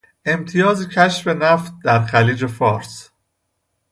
امتیاز کشف نفت در خلیج فارس